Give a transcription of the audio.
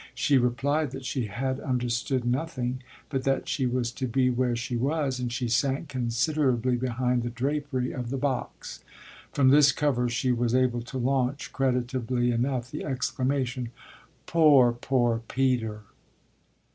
She replied that she had understood nothing but that she was to be where she was, and she sank considerably behind the drapery of the box. From this cover she was able to launch, creditably enough, the exclamation: "Poor, poor Peter!"